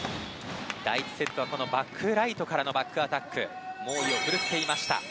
第１セットはバックライトからのバックアタックが猛威を振るっていました。